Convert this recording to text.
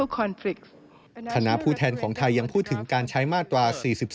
คณะผู้แทนของไทยยังพูดถึงการใช้มาตรา๔๔